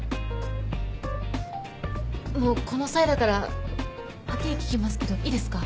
もうこの際だからはっきり聞きますけどいいですか？